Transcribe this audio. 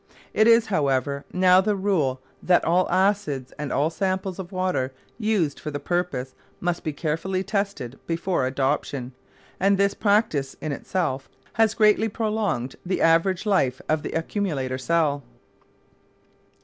It is, however, now the rule that all acids and all samples of water used for the purpose must be carefully tested before adoption, and this practice, in itself, has greatly prolonged the average life of the accumulator cell.